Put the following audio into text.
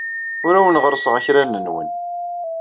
Ur awen-ɣerrseɣ akraren-nwen.